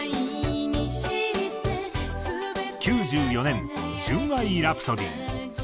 ９４年『純愛ラプソディ』。